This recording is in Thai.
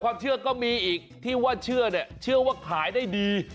ความเชื่อก็มีอีกที่ว่าเชื่อเนี่ยเชื่อว่าขายได้ดี